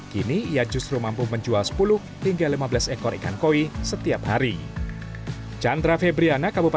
kini ia justru mampu menjual sepuluh hingga lima belas ekor ikan koi setiap hari